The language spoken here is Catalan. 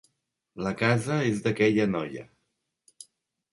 La casa és d'aquella noia.